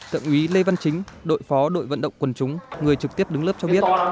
thượng úy lê văn chính đội phó đội vận động quần chúng người trực tiếp đứng lớp cho biết